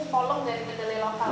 ini kolom dari kedelai lokal